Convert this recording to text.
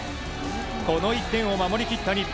この１点を守り切った日本。